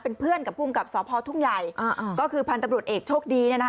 เป็นเพื่อนกับภูมิกับสพทุ่งใหญ่ก็คือพันธุ์ตำรวจเอกโชคดี